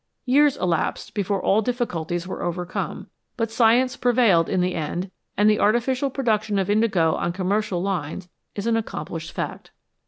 Years elapsed before all difficulties were overcome, but Science prevailed in the end and the artificial production of indigo on commercial lines is an accomplished fact.